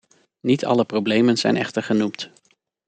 Niet alle problemen zijn echter genoemd.